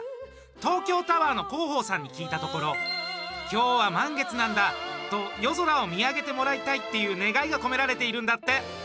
東京タワーの広報さんに聞いたところ今日は満月なんだと夜空を見上げてもらいたいっていう願いが込められているんだって。